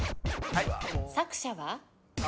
作者は？